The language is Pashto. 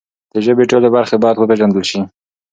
د ژبې ټولې برخې باید وپیژندل سي.